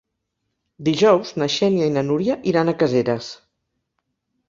Dijous na Xènia i na Núria iran a Caseres.